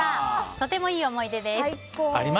とてもいい思い出です。